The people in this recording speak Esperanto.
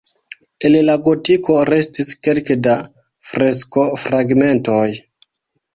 El la gotiko restis kelke da freskofragmentoj.